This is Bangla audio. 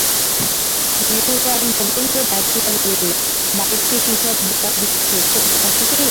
মেজো ভাই নবীনকে ডাকিয়ে বললে, বাড়িতে কী-সব ব্যাপার হচ্ছে চোখ রাখ কি?